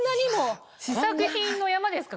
試作品の山ですか？